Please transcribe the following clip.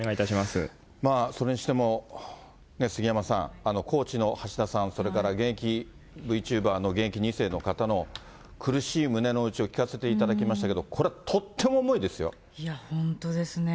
それにしても、杉山さん、高知の橋田さん、それから現役Ｖチューバーの現役２世の方の、苦しい胸の内を聞かせていただきましたけれども、これ、いや、本当ですね。